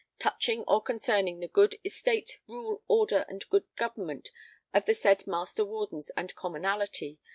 touching or concerning the good estate rule order and good government of the said Master Wardens and Commonalty